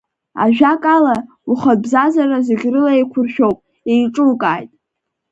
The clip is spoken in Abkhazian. Ажәакала, ухатә бзазара зегь рыла еиқәуршәеит, еиҿукааит.